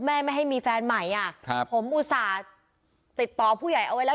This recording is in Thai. ไม่ให้มีแฟนใหม่อ่ะครับผมอุตส่าห์ติดต่อผู้ใหญ่เอาไว้แล้ว